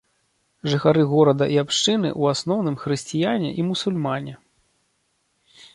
Жыхары горада і абшчыны ў асноўным хрысціяне і мусульмане.